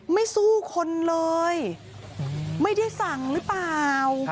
ไม่สู้คนเลยไม่ได้สั่งหรือเปล่า